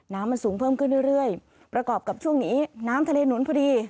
น้ำมันสูงเพิ่มขึ้นเรื่อยประกอบกับช่วงนี้น้ำทะเลหนุนพอดี